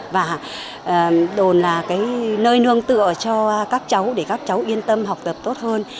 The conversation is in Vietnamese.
và đồn là cái nơi nương tựa cho các cháu để các cháu yên tâm học tập tốt hơn